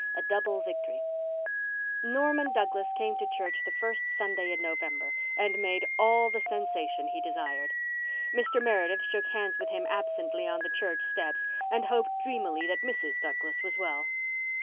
A DOUBLE VICTORY Norman Douglas came to church the first Sunday in November and made all the sensation he desired. Mr. Meredith shook hands with him absently on the church steps and hoped dreamily that Mrs. Douglas was well.